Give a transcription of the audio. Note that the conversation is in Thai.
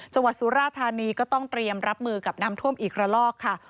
สุราธานีก็ต้องเตรียมรับมือกับน้ำท่วมอีกระลอกค่ะ